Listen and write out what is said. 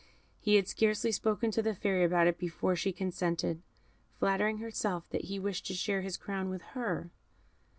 He had scarcely spoken to the Fairy about it before she consented, flattering herself that he wished to share his crown with her.